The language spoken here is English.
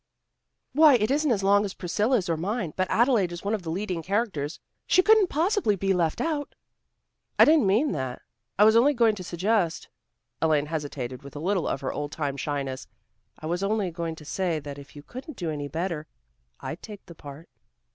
"Why, it isn't as long as Priscilla's or mine, but Adelaide is one of the leading characters. She couldn't possibly be left out." "I didn't mean that. I was only going to suggest " Elaine hesitated, with a little of her old time shyness. "I was only going to say that if you couldn't do any better, I'd take the part."